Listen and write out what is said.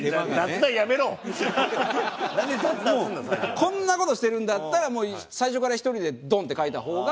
こんな事してるんだったらもう最初から１人でドンって書いた方が。